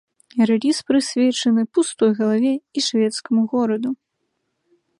Рэліз прысвечаны пустой галаве і шведскаму гораду.